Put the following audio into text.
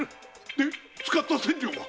で使った千両は？